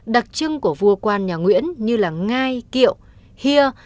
đặc trưng của vua quan nhà nguyễn như là ngai kiệu hia